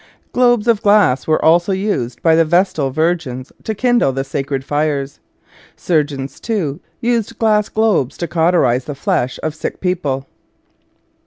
Globes of glass were also used by the vestal virgins to kindle the sacred fires. Surgeons, too, used glass globes to cauterize the flesh of sick people.